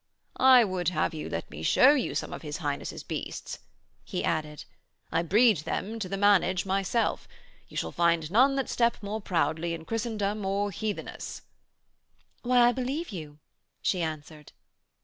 'I would have you let me show you some of his Highness' beasts,' he added. 'I breed them to the manage myself. You shall find none that step more proudly in Christendom or Heathenasse.' 'Why, I believe you,' she answered.